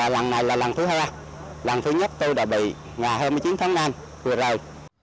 lần này là lần thứ hai lần thứ nhất tôi đã bị ngày hai mươi chín tháng năm vừa rồi